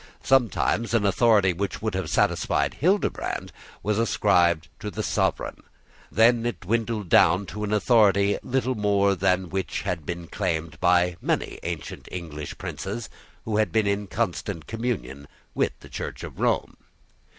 Sometimes an authority which would have satisfied Hildebrand was ascribed to the sovereign: then it dwindled down to an authority little more than that which had been claimed by many ancient English princes who had been in constant communion with the Church of Rome.